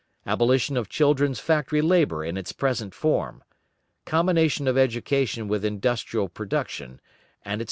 Abolition of children's factory labour in its present form. Combination of education with industrial production, &c.